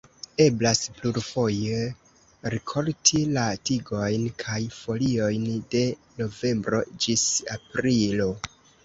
Eblas plurfoje rikolti la tigojn kaj foliojn de novembro ĝis aprilo.